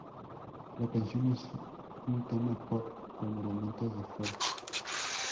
La canción es un tema pop con elementos de folk.